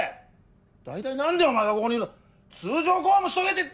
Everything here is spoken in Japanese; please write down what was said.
大体何でお前がここにいるんだ通常公務しとけって言ったろ！